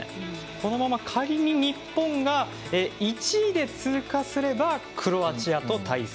このまま仮に日本が１位で通過すればクロアチアと対戦。